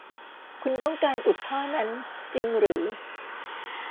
คุณต้องการอุดท่อนั้นจริงหรือ